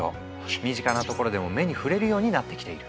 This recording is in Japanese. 身近なところでも目に触れるようになってきている。